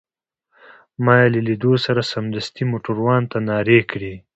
ما يې له لیدو سره سمدستي موټروان ته نارې کړې.